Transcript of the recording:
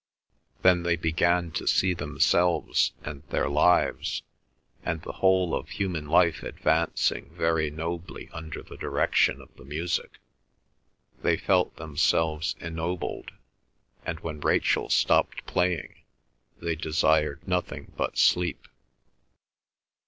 Then they began to see themselves and their lives, and the whole of human life advancing very nobly under the direction of the music. They felt themselves ennobled, and when Rachel stopped playing they desired nothing but sleep.